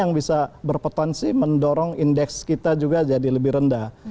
yang bisa berpotensi mendorong indeks kita juga jadi lebih rendah